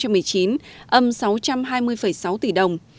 hết quỹ hai năm hai nghìn một mươi chín âm bốn trăm chín mươi chín chín tỷ đồng